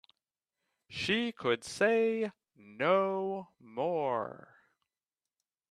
She could say no more.